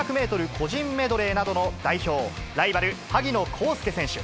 個人メドレーなどの代表、ライバル、萩野公介選手。